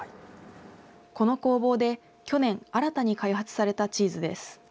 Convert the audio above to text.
この工房で去年、新たに開発されたチーズです。